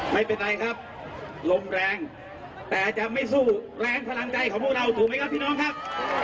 ไม่เป็นไรครับลมแรงแต่จะไม่สู้แรงพลังใจของพวกเราถูกไหมครับพี่น้องครับ